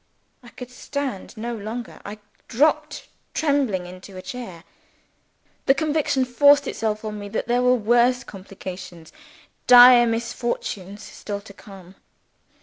I could stand no longer I dropped trembling into a chair. The conviction forced itself on me that there were worse complications, direr misfortunes, still to come.